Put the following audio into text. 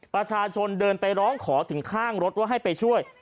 ประชาชนเดินไปร้องขอถึงข้างรถว่าให้ไปช่วย